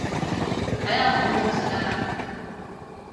睇落好好食啊